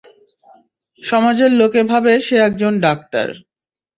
সমাজের লোকে ভাবে সে একজন ডাক্তার।